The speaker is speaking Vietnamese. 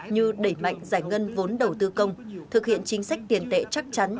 như đẩy mạnh giải ngân vốn đầu tư công thực hiện chính sách tiền tệ chắc chắn